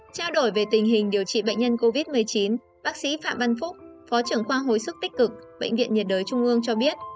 trao đổi về tình hình điều trị bệnh nhân covid một mươi chín bác sĩ phạm văn phúc phó trưởng khoa hồi sức tích cực bệnh viện nhiệt đới trung ương cho biết